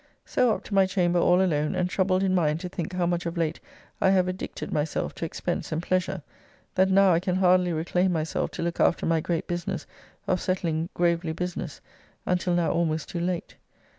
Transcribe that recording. So up to my chamber all alone, and troubled in mind to think how much of late I have addicted myself to expense and pleasure, that now I can hardly reclaim myself to look after my great business of settling Gravely business, until now almost too late.